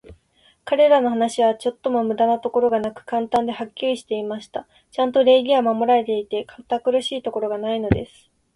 彼等の話は、ちょっとも無駄なところがなく、簡単で、はっきりしていました。ちゃんと礼儀は守られていて、堅苦しいところがないのです。